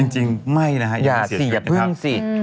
จริงไม่นะฮะยังไม่เสียชีวิตนะครับ